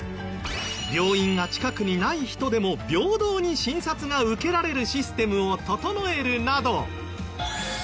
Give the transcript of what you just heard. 病院が近くにない人でも平等に診察が受けられるシステムを整えるなど。